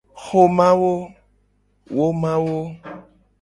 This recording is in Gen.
Xomawo.